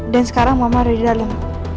dan sekarang mama ada di dalam